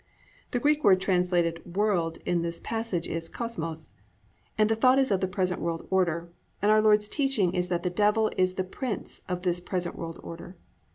"+ The Greek word translated "world" in this passage is kosmos, and the thought is of the present world order, and our Lord's teaching is that the Devil is the prince of this present world order.